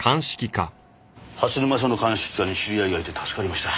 蓮沼署の鑑識課に知り合いがいて助かりました。